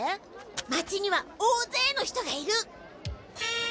町にはおおぜいの人がいる。